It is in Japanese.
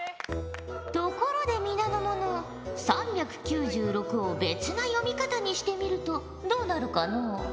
ところで皆の者３９６を別な読み方にしてみるとどうなるかのう？という。